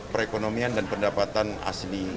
perekonomian dan pendapatan asli